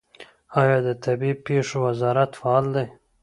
آیا د طبیعي پیښو وزارت فعال دی؟